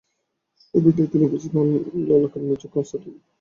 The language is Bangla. সম্প্রতি তিনি উপস্থিত হন লালকার মিউজিক কনসার্টে।